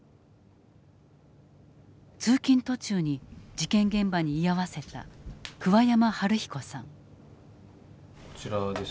通勤途中に事件現場に居合わせた桑山東彦さん。